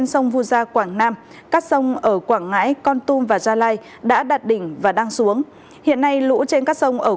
xin chào và hẹn gặp lại